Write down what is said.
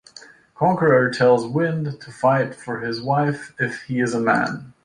Conqueror tells Wind to fight for his wife if he is a man.